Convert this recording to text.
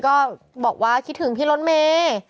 ก็บอกว่าคิดถึงพี่รถเมย์